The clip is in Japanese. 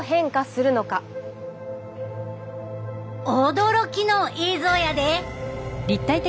驚きの映像やで！